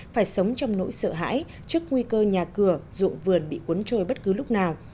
phải sống trong nỗi sợ hãi trước nguy cơ nhà cửa ruộng vườn bị cuốn trôi bất cứ lúc nào